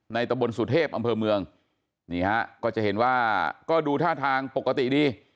ตะบนสุเทพอำเภอเมืองนี่ฮะก็จะเห็นว่าก็ดูท่าทางปกติดี